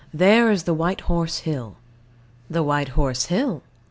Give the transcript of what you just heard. There is the White Horse Hill. The White Horse Hill?